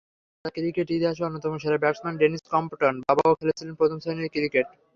দাদা ক্রিকেট ইতিহাসের অন্যতম সেরা ব্যাটসম্যান ডেনিস কম্পটন, বাবাও খেলেছেন প্রথম শ্রেণির ক্রিকেট।